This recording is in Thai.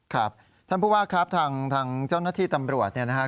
ครับท่านผู้ว่าครับทางเจ้าหน้าที่ตำรวจเนี่ยนะฮะ